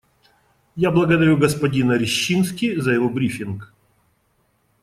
Я благодарю господина Рищински за его брифинг.